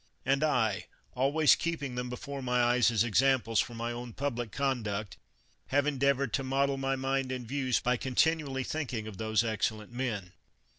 And I, always keep ing them before my eyes as examples for my own public conduct, have endeavored to model my mind and views by continually thinking of those excellent men.